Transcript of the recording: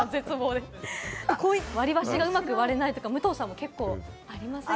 割り箸がうまく割れないとか、武藤さんもありませんか？